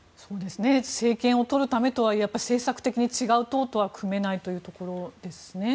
政権をとるためとはいえ政策的に違う党とは組めないというところですね。